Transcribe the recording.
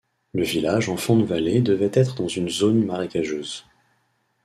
Le village en fond de vallée devait être dans une zone marécageuse.